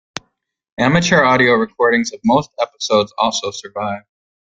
Amateur audio recordings of most episodes also survive.